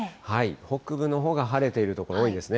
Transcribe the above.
北部のほうが晴れている所多いですね。